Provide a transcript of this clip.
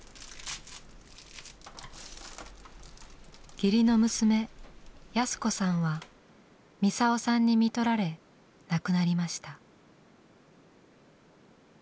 義理の娘やすこさんはミサオさんに看取られ亡くなりました。